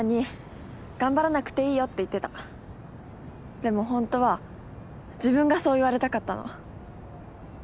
でもホントは自分がそう言われたかったの。